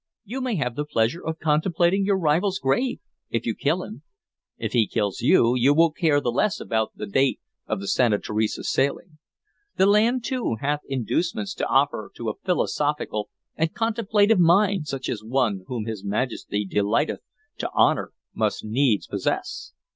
You may have the pleasure of contemplating your rival's grave, if you kill him. If he kills you, you will care the less about the date of the Santa Teresa's sailing. The land, too, hath inducements to offer to a philosophical and contemplative mind such as one whom his Majesty delighteth to honor must needs possess.